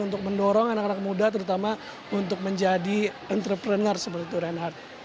untuk mendorong anak anak muda terutama untuk menjadi entrepreneur seperti itu reinhardt